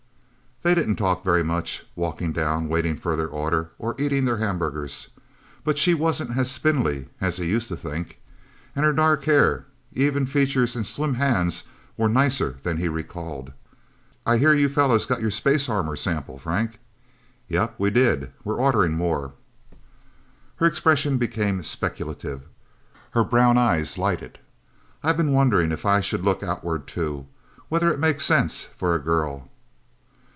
They didn't talk very much, walking down, waiting for their orders, or eating their hamburgers. But she wasn't as spindly as he used to think. And her dark hair, even features and slim hands were nicer than he recalled. "I hear you fellas got your space armor sample, Frank." "Yep we did. We're ordering more." Her expression became speculative. Her brown eyes lighted. "I've been wondering if I should look Outward, too. Whether it makes sense for a girl."